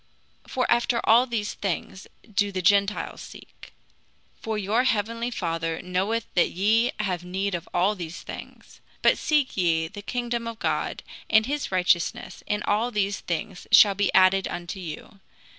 (For after all these things do the Gentiles seek), for your heavenly Father knoweth that ye have need of all these things. But seek ye first the kingdom of God, and his righteousness, and all these things shall be added unto you.